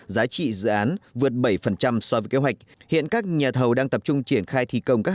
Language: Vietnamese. giá trị dự án vượt bảy so với kế hoạch hiện các nhà thầu đang tập trung triển khai thi công các